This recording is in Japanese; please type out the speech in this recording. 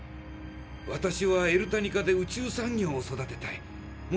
私はエルタニカで宇宙産業を育てたい。